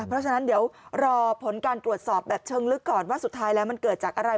เพราะฉะนั้นเดี๋ยวรอผลการตรวจสอบแบบเชิงลึกก่อนว่าสุดท้ายแล้วมันเกิดจากอะไร